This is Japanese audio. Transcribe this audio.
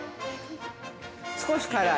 ◆少し辛い。